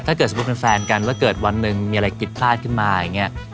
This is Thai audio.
ถ้าเกิดสมมุติเป็นแฟนกันว่าเกิดวันหนึ่งมีอะไรกิดพลาดขึ้นมาอย่างเงี้ย